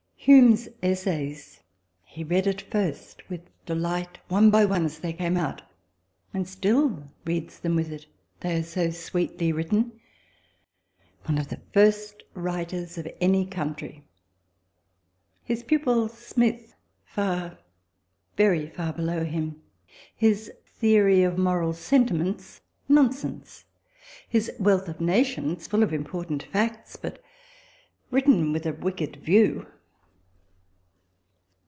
Hume's essays he read at first with delight, one by one, as they came out and still reads them with it, they are so sweetly written. One of the first writers of any country ! His pupil 94 RECOLLECTIONS OF THE Smith * far, very far below him his theory of Moral Sentiments nonsense his " Wealth of Nations " full of important facts, but written with a wicked view.